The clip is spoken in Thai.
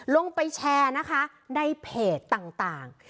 ลงไปแชร์นะคะในเพจต่าง